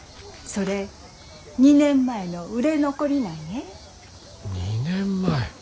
それ２年前の売れ残りなんえ。